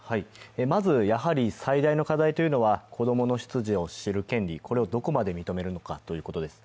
まずやはり最大の課題は子供の出自を知る権利、これをどこまで認めるのかということです。